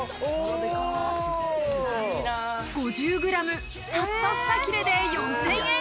５０ｇ、たったふた切れで４０００円。